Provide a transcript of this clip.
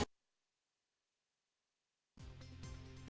berita terkini mengenai cuaca ekstrem dua ribu dua puluh satu